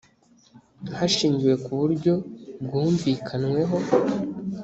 hashingiwe ku buryo bwumvikanyweho